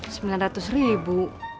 sembilan ratus ribu